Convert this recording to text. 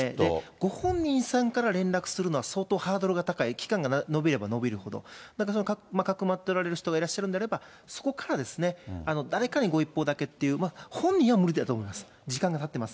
ご本人さんから連絡するのは相当ハードルが高い、期間が延びれば延びるほど、だからかくまっておられる人がいらっしゃるんであればそこから誰かにご一報だけという、本人は無理だと思います、時間がたってる